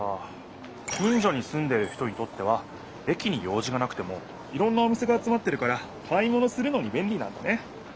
近所にすんでいる人にとっては駅に用じがなくてもいろんなお店が集まってるから買い物するのにべんりなんだね！